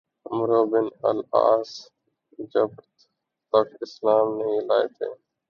عمرو bin al Aas جب تک اسلام نہیں لائے تھے